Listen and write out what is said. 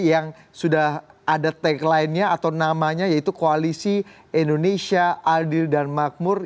yang sudah ada tagline nya atau namanya yaitu koalisi indonesia adil dan makmur